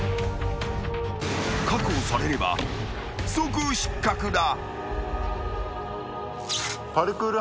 ［確保されれば即失格だ］